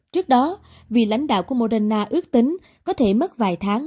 trước đó vị lãnh đạo của moderna ước tính có thể mất vài tháng